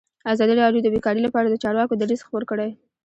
ازادي راډیو د بیکاري لپاره د چارواکو دریځ خپور کړی.